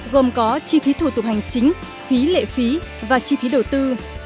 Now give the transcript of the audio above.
gồm có chi phí thủ tục hành chính phí lệ phí và chi phí đầu tư